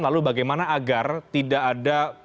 lalu bagaimana agar tidak ada